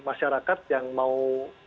masyarakat yang mau